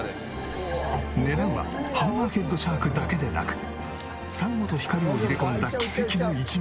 狙うはハンマーヘッドシャークだけでなく珊瑚と光を入れ込んだ奇跡の一枚。